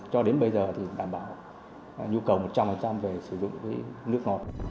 cho đến bây giờ thì đảm bảo nhu cầu một trăm linh về sử dụng với nước ngọt